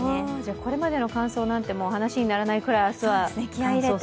これまでの乾燥なんて話にならないくらい明日は乾燥すると。